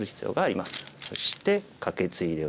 そしてカケツイでおいて。